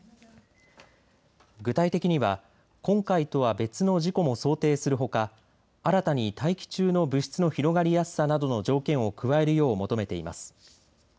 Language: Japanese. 具体的には今回とは別の事故も想定するほか新たに大気中の物質の広がりやすさなどの条件を加えるよう求めています。